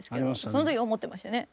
その時思ってましたね。